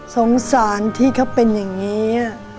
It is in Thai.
สงสารที่เขาเป็นอย่างนี้